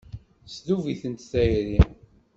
Tesdub-itent tayri.